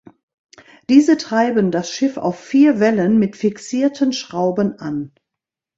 Diese treiben das Schiff auf vier Wellen mit fixierten Schrauben an.